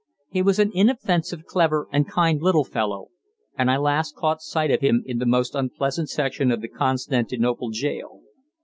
He was an inoffensive, clever, and kind little fellow, and I last caught sight of him in the most unpleasant section of the Constantinople jail.